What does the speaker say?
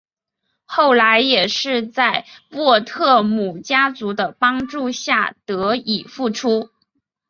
后来也是在沃特姆家族的帮助下得以复出。